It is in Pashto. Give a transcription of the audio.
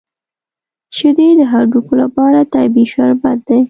شیدې د هډوکو لپاره طبیعي شربت دی